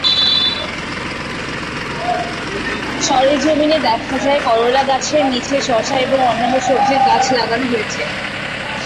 সরেজমিনে দেখা যায়, করলাগাছের নিচে শসা এবং অন্যান্য সবজির গাছ লাগানো হয়েছে।